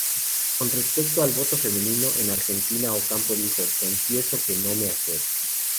Con respecto al voto femenino en Argentina, Ocampo dijo "Confieso que no me acuerdo.